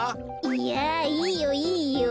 いやいいよいいよ。